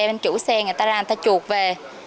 bên chủ xe người ta ra người ta chuột về